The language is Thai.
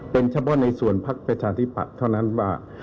เป็นเฉพาะในส่วนพักประชาธิปัตย์เท่านั้นว่า